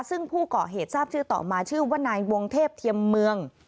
ซึ่งผู้ก่อเหตุทราบชื่อต่อมาชื่อว่านายวงเทพเทียมเมือง